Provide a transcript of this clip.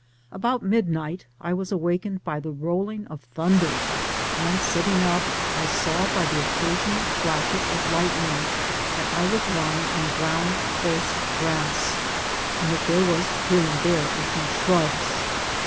About midnight I was awakened by the rolling of thunder, and, sitting up, I saw by the occasional flashes of lightning that I was lying on brown coarse grass, and that there were here and there a few shrubs.